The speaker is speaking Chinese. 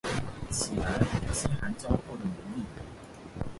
起来，饥寒交迫的奴隶！